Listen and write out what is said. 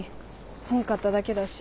本買っただけだし。